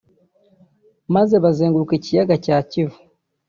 maze bazenguruka ikiyaga cya Kivu